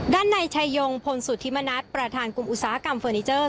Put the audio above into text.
ด้านในชายงพลสุธิมณัฐประธานกลุ่มอุตสาหกรรมเฟอร์นิเจอร์